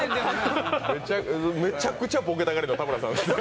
めちゃくちゃボケたがりの田村さん。